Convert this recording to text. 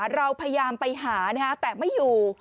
เราพยายามไปหาแต่ไม่อยู่